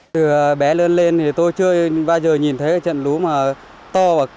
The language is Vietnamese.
từ bé lớn lên thì tôi chưa bao giờ nhìn thấy trận lũ mà to và cao